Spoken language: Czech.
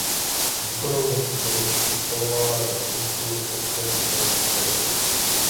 Výkonnou moc v zemi představovala Rada ministrů Litevské socialistické republiky.